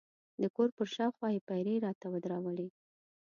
د کور پر شاوخوا یې پیرې راته ودرولې.